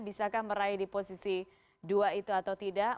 bisakah meraih di posisi dua itu atau tidak